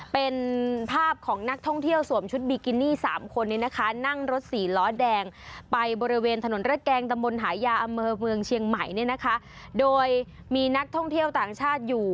เป็นภาพของนักท่องเที่ยวสวมชุดบีกินี่๓คนนี่นะคะ